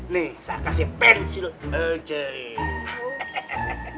nih saya kasih pinsil ajaib